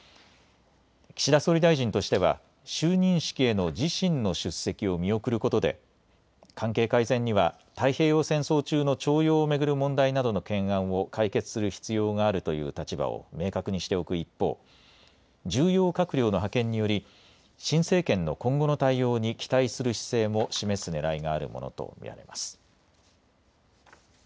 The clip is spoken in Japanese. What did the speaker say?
岸田総理大臣としては就任式への自身の出席を見送ることで関係改善には太平洋戦争中の徴用を巡る問題などの懸案を解決する必要があるという立場を明確にしておく一方、重要閣僚の派遣により新政権の今後の対応に期待する姿勢も示すねらいがあるものと見られます。